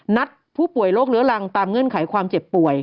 นัดผู้ป่วยโรคเลื้อรังตามเงื่อนไขความเจ็บป่วย